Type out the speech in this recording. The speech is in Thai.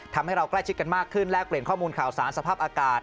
ทำให้เราใกล้ชิดกันมากขึ้นแลกเปลี่ยนข้อมูลข่าวสารสภาพอากาศ